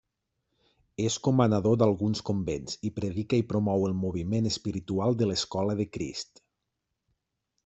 És comanador d'alguns convents i predica i promou el moviment espiritual de l'Escola de Crist.